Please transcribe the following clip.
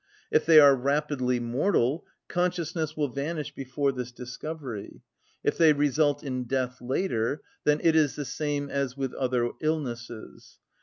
If they are rapidly mortal, consciousness will vanish before this discovery; if they result in death later, then it is the same as with other illnesses.